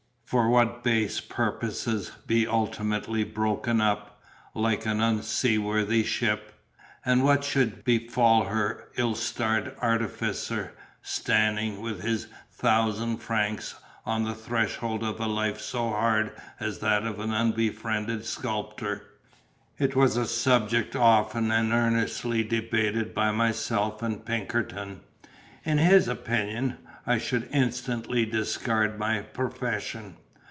for what base purposes be ultimately broken up, like an unseaworthy ship? and what should befall her ill starred artificer, standing, with his thousand francs, on the threshold of a life so hard as that of the unbefriended sculptor? It was a subject often and earnestly debated by myself and Pinkerton. In his opinion, I should instantly discard my profession.